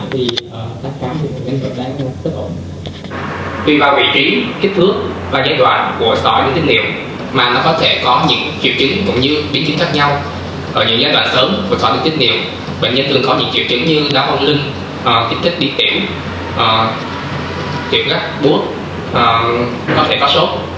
kích thước đi tỉnh tiệm gắt bút có thể có sốt